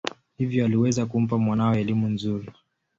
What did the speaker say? Hivyo aliweza kumpa mwanawe elimu nzuri.